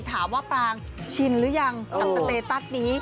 ถามว่าปรางชินหรือยังสำเต๊ะเต๊ตั๊ดนี้